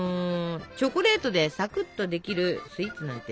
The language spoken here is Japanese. チョコレートでさくっとできるスイーツなんてある？